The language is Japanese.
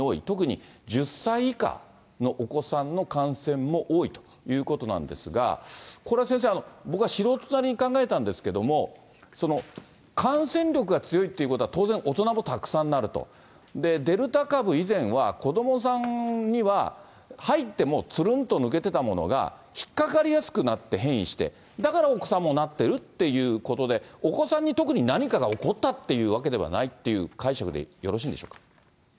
特に１０歳以下のお子さんの感染も多いということなんですが、これ先生、僕は素人なりに考えたんですけれども、その感染力が強いっていうことは、当然、大人もたくさんなると、デルタ株以前は子どもさんには入ってもつるんと抜けてたものが引っ掛かりやすくなって、変異して、だからお子さんもなってるってことで、お子さんに特に何かが起こったというわけではないっていう解釈でよろしいんでしょうか？